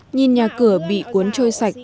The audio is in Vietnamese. nhìn nhà cửa bị cuốn trôi sạch